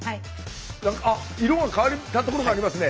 あっ色が変わったところがありますね。